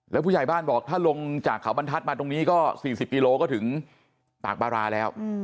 แล้วผู้ใหญ่บ้านบอกถ้าลงจากเขาบรรทัศน์มาตรงนี้ก็๔๐กิโลก็ถึงปากบาราแล้ว